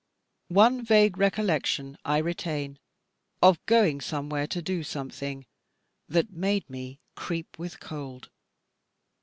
One vague recollection I retain of going somewhere, to do something that made me creep with cold.